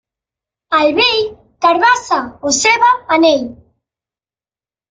Al vell, carabassa o ceba en ell.